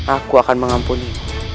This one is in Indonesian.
aku akan mengampuni